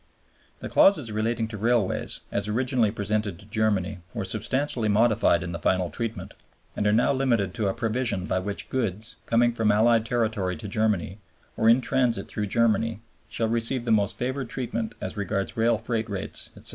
(ii.) The clauses relating to Railways, as originally presented to Germany, were substantially modified in the final Treaty, and are now limited to a provision by which goods, coming from Allied territory to Germany, or in transit through Germany, shall receive the most favored treatment as regards rail freight rates, etc.